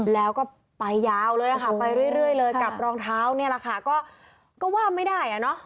แล้วก็ไปยาวเลยค่ะไปเรื่อยเลยกับรองเท้าเนี่ยแหละค่ะก็ว่าไม่ได้อ่ะเนอะ